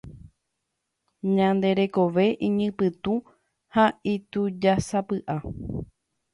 Ñande rekove iñipytũ ha itujásapyʼa.